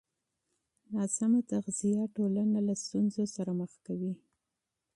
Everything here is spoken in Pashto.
ناسمه تغذیه ټولنه له ستونزو سره مخ کوي.